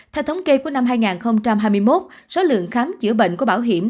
theo thống kê của năm hai nghìn hai mươi một số lượng khám chữa bệnh của bảo hiểm